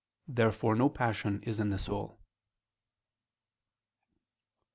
Therefore no passion is in the soul.